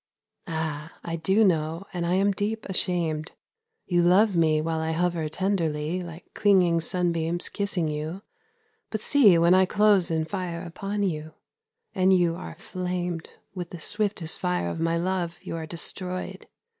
Ah, I do know, and I am deep ashamed; You love me while I hover tenderly Like clinging sunbeams kissing you: but see When I close in fire upon you, and you are flamed With the swiftest fire of my love, you are destroyed.